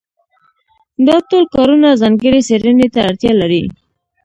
دا ټول کارونه ځانګړې څېړنې ته اړتیا لري.